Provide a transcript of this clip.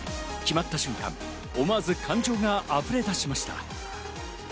決まった瞬間、思わず感情が溢れ出しました。